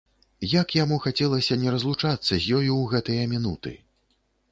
Як яму хацелася не разлучацца з ёю ў гэтыя мінуты!